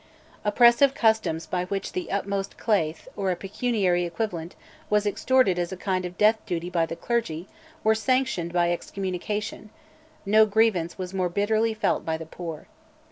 Oppressive customs by which "the upmost claith," or a pecuniary equivalent, was extorted as a kind of death duty by the clergy, were sanctioned by excommunication: no grievance was more bitterly felt by the poor.